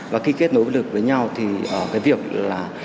và khi kết nối được với nhau thì cái việc là